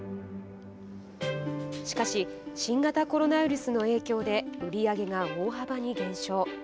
しかし新型コロナウイルスの影響で売り上げが大幅に減少。